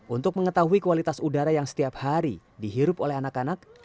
untuk mengetahui kualitas udara yang setiap hari dihirup oleh anak anak